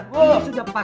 ini sudah pas